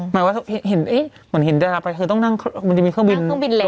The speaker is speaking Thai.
หมายว่าเห็นเหมือนเห็นได้แล้วไปคือต้องนั่งมันจะมีเครื่องบินเล็ก